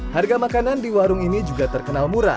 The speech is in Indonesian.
harga makanan di warung ini juga terkenal murah